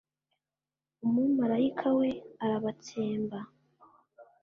umumalayika we arabatsemba